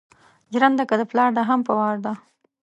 جرنده که دا پلار ده هم په وار ده